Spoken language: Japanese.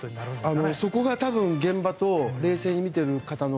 そこが多分現場と冷静に見ている方の。